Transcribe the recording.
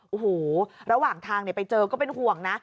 โอ้โหระหว่างทางไปเจอก็เป็นห่วงนะ